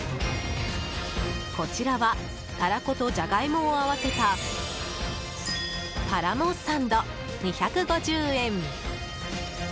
こちらはタラコとジャガイモを合わせたタラモサンド、２５０円。